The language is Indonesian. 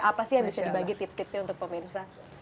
apa sih yang bisa dibagi tips tipsnya untuk pemirsa